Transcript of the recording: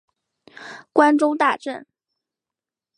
关中大震。